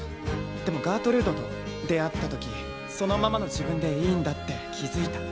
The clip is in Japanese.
でもガートルードと出会った時そのままの自分でいいんだって気付いた。